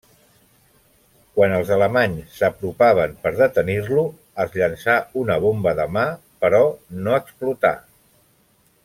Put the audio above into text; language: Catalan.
Quan els alemanys s'apropaven per detenir-lo, els llançà una bomba de mà, però no explotà.